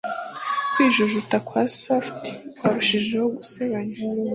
Kwijujuta kwa surf kwarushijeho gusebanya